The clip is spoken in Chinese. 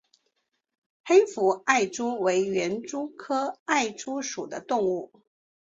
黑腹艾蛛为园蛛科艾蛛属的动物。